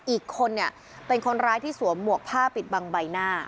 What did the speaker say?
อีกคนเนี่ยเป็นคนร้ายที่สวมหมวกผ้าปิดบังใบหน้า